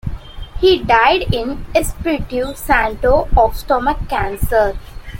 He died in Espiritu Santo of stomach cancer.